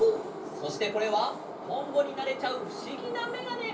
そしてこれはとんぼになれちゃうふしぎなめがね！